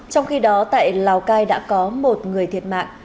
trong khi đó tại lào cai đã có một người thiệt mạng